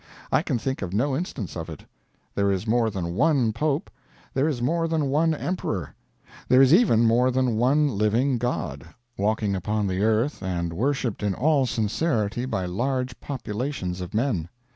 I can think of no instance of it. There is more than one Pope, there is more than one Emperor, there is even more than one living god, walking upon the earth and worshiped in all sincerity by large populations of men.